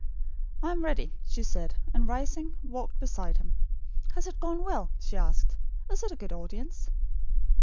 "I am ready," she said, and rising, walked beside him. "Has it gone well?" she asked. "Is it a good audience?"